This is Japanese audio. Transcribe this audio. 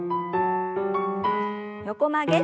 横曲げ。